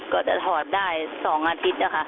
ก็จะถอดได้๒อาทิตย์